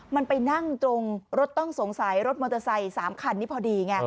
มันไปนั่งตรงรถต้องสงสัยรถมอเตอร์ไซค์๓คันนี้พอดีไง